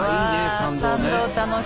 参道楽しい。